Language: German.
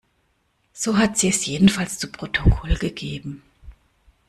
So hat sie es jedenfalls zu Protokoll gegeben.